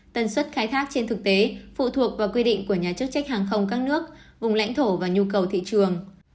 tần suất khai thác trên thực tế phụ thuộc vào quy định của nhà chức trách hàng không các nước vùng lãnh thổ và nhu cầu thị trường